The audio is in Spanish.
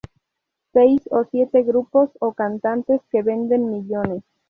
seis o siete grupos o cantantes que venden millones